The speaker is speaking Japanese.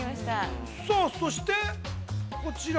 ◆さあ、そして、こちら。